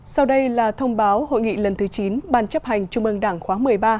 sau đây là thông báo hội nghị lần thứ chín bàn chấp hành chung mương đảng khóa một mươi ba